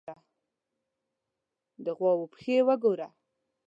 _د غواوو پښې وګوره!